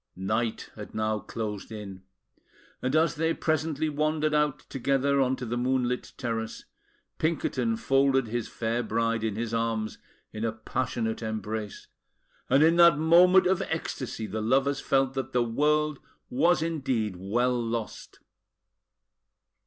Night had now closed in, and as they presently wandered out together on to the moonlit terrace, Pinkerton folded his fair bride in his arms in a passionate embrace; and in that moment of ecstasy, the lovers felt that the world was indeed well lost.